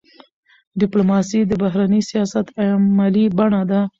ډيپلوماسي د بهرني سیاست عملي بڼه ده.